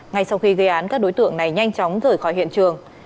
ngay sau khi gây án các đối tượng này nhanh chóng rời khỏi hiện trường